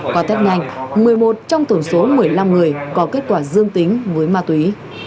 có thét nhanh một mươi một trong tổn số một mươi năm người có kết quả dương tính với ma túy